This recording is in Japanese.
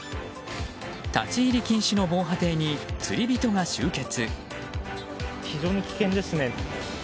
立ち入り禁止の防波堤に釣り人が集結。